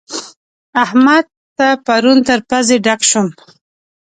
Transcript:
احمد ته پرون تر پزې ډک شوم.